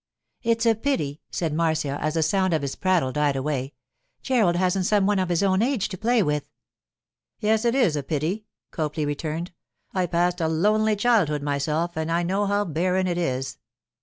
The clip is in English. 'It is a pity,' said Marcia, as the sound of his prattle died away, 'Gerald hasn't some one his own age to play with.' 'Yes, it is a pity,' Copley returned. 'I passed a lonely childhood myself, and I know how barren it is.